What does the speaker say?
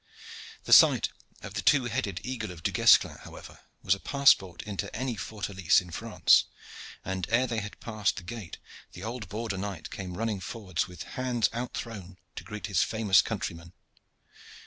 The sight of the two headed eagle of Du Guesclin, however, was a passport into any fortalice in France, and ere they had passed the gate the old border knight came running forwards with hands out thrown to greet his famous countryman.